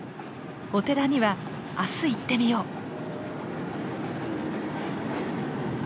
お寺には明日行ってみよう。